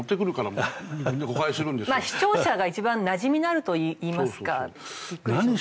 まあ視聴者がいちばんなじみのあると言いますか。